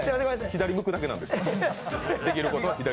左向くだけです。